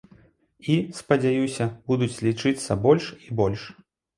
І, спадзяюся, будуць лічыцца больш і больш.